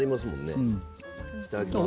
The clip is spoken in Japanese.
いただきます。